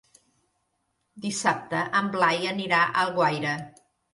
Dissabte en Blai anirà a Alguaire.